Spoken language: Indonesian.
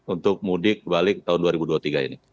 untuk mudik balik tahun dua ribu dua puluh tiga ini